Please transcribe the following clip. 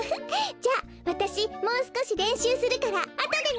じゃあわたしもうすこしれんしゅうするからあとでね！